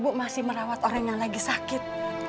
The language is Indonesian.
ibu masih merawat orang yang lagi sakit